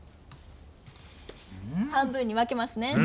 半分にわけますね。